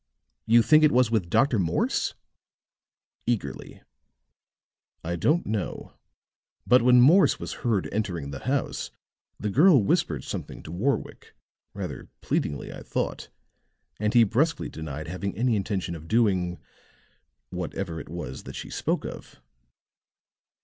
"You think it was with Dr. Morse?" eagerly. "I don't know. But when Morse was heard entering the house, the girl whispered something to Warwick, rather pleadingly I thought, and he brusquely denied having any intention of doing whatever it was that she spoke of."